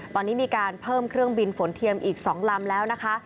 ตอนนี้มีการเพิ่มเครื่องบินฝนเทียมอีก๒ลำแล้วนะคะ